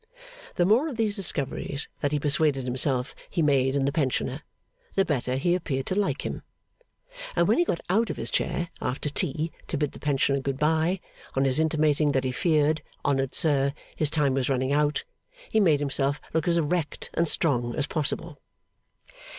') The more of these discoveries that he persuaded himself he made in the pensioner, the better he appeared to like him; and when he got out of his chair after tea to bid the pensioner good bye, on his intimating that he feared, honoured sir, his time was running out, he made himself look as erect and strong as possible.